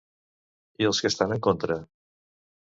I els que estan en contra?